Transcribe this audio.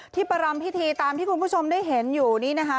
ประรำพิธีตามที่คุณผู้ชมได้เห็นอยู่นี่นะคะ